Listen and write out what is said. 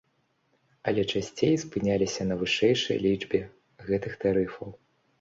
Але часцей спыняліся на вышэйшай лічбе гэтых тарыфаў.